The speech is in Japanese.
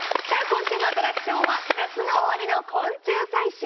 今週のアトラクションは夏の終わりの昆虫採集！